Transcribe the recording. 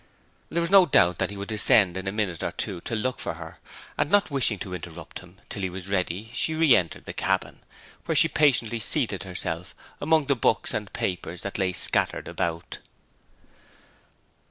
There was no doubt that he would descend in a minute or two to look for her, and not wishing to interrupt him till he was ready she re entered the cabin, where she patiently seated herself among the books and papers that lay scattered about.